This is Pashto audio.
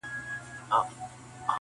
وجود غواړمه چي زغم د نسو راوړي,